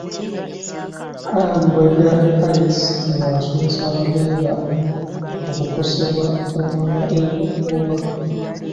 Lubega Alex ng'asomesa abagenda okukosebwa omwala e Lugoba.